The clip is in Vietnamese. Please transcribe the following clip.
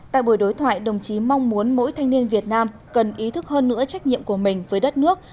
tại buổi đối thoại đồng chí mong muốn mỗi thanh niên việt nam cần ý thức hơn nữa trách nhiệm của mình với đất nước